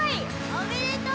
おめでとう！